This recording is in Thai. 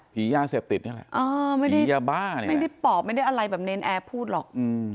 ผียาเสพติจนี่แหละผียาบ้านี่แหละอ่าไม่ได้ปอบไม่ได้อะไรแบบเน้นแอพูดหรอก